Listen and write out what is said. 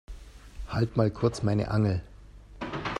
Halt mal kurz meine Angel.